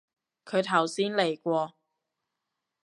佢頭先嚟過